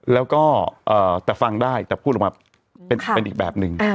แล้วก็แต่ฟังได้แต่พูดออกมาเป็นอีกแบบหนึ่ง